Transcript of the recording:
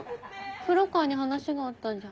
黒川に話があったんじゃ。